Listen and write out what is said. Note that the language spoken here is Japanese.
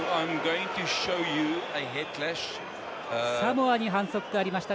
サモアに反則がありました。